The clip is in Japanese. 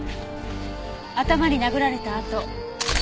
頭に殴られた痕。